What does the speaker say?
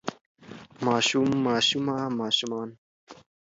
ماشوم ماشومه ماشومان